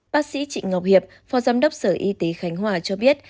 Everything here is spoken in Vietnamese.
bác sĩ trịnh ngọc hiệp phó giám đốc sở y tế khánh hòa cho biết